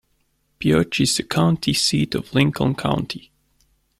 Pioche is the county seat of Lincoln County.